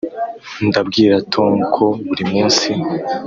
ndabwira tom ko burimunsi.